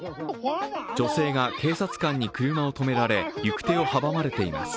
女性が警察官に車を止められ、行く手を阻まれています。